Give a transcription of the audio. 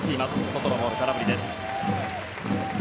外のボール、空振りです。